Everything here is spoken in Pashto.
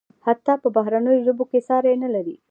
حتی په بهرنیو ژبو کې ساری نلري.